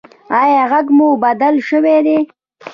ایا غږ مو بدل شوی دی؟